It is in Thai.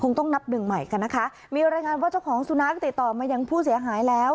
ต้องนับหนึ่งใหม่กันนะคะมีรายงานว่าเจ้าของสุนัขติดต่อมายังผู้เสียหายแล้ว